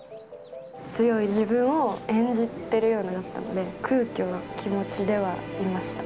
強い自分を演じているようだったので、空虚な気持ちではいました。